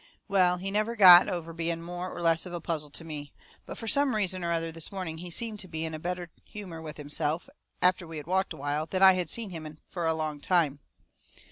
Well, he never got over being more or less of a puzzle to me. But fur some reason or other this morning he seemed to be in a better humour with himself, after we had walked a while, than I had seen him in fur a long time.